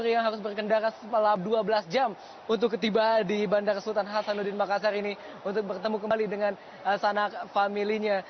yang tiba di bandara sultan hasanuddin makassar ini untuk bertemu kembali dengan sanak familinya